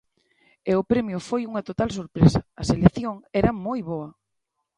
E o premio foi unha total sorpresa, a selección era moi boa.